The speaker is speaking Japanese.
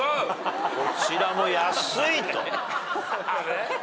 こちらも安いと。